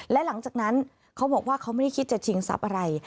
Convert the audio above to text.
และหลังจากนั้นเขาบอกว่าเขาไม่ได้คิดจะชิงทรัพย์อะไร